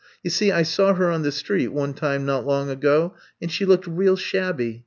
You see, I saw her on the street — one time not long ago — ^and she looked real shabby.